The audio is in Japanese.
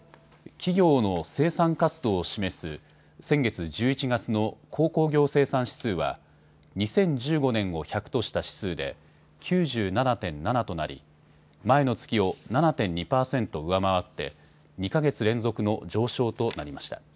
企業の生産活動を示す先月１１月の鉱工業生産指数は２０１５年を１００とした指数で９７．７となり前の月を７．２％上回って２か月連続の上昇となりました。